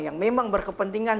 yang memang berkepentingan